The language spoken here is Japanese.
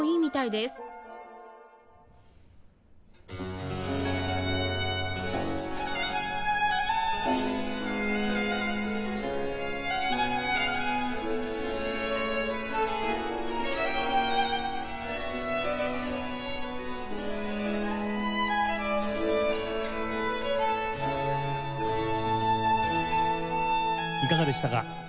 いかがでしたか？